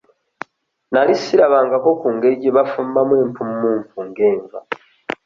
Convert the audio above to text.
Nali sirabangako ku ngeri gye bafumbamu empummumpu ng'enva.